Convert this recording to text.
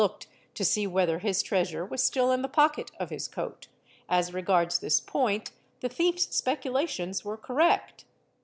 looked to see whether his treasure was still in the pocket of his coat; as regards this point the thief's speculations were correct.